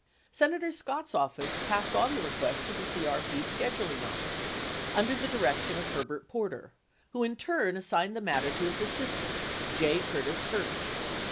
Senator Scott's office passed on the request to the CEP scheduling office, under the direction of Herbert Porter, who in turn assigned the matter to his assistant, J. Curtis Herge.